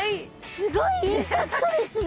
すごいインパクトですね。